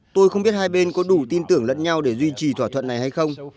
tôi không biết hai bên có đủ tin tưởng lẫn nhau để duy trì thỏa thuận này hay không